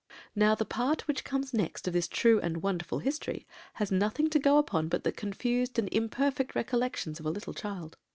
"Now, the part which comes next of this true and wonderful history has nothing to go upon but the confused and imperfect recollections of a little child.